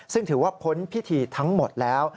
ซึ่งถือว่าพ้นพิธีทั้งหมดแล้ว